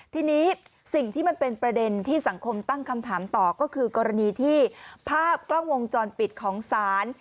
ทีนี้สิ่งที่มันเป็นประเด็นที่สังคมตั้งคำถามต่อก็คือกรณีที่ภาพกล้องวงจรปิดของศาล